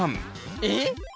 えっ！